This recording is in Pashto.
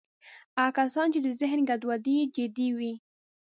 هغه کسان چې د ذهن ګډوډۍ یې جدي وي